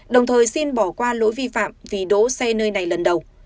đồng thời xin bỏ qua lỗi vi phạm vì đỗ xe nơi này lần đầu